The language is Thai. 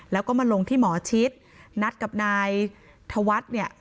แล้วก็มาลงที่หมอชิดนัดกับนายธวัฒน์เนี่ย